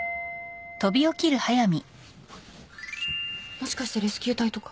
・もしかしてレスキュー隊とか？